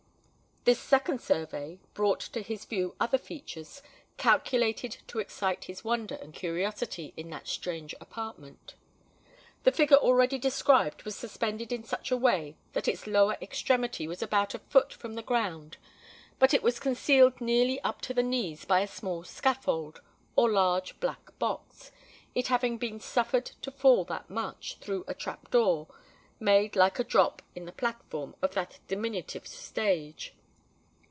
This second survey brought to his view other features, calculated to excite his wonder and curiosity, in that strange apartment. The figure already described was suspended in such a way that its lower extremity was about a foot from the ground; but it was concealed nearly up to the knees by a small scaffold, or large black box, it having been suffered to fall that much through a trap door made like a drop in the platform of that diminutive stage.